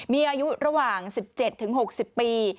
มีอายุระหว่าง๑๗๖๐ปี